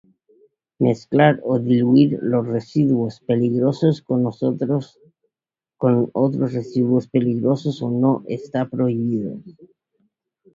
Mezclar o diluir los residuos peligrosos con otros residuos peligrosos o no, está prohibido.